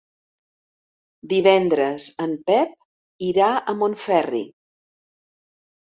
Divendres en Pep irà a Montferri.